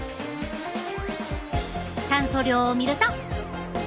酸素量を見ると。